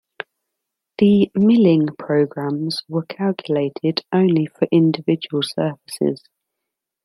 The milling programs were calculated only for individual surfaces.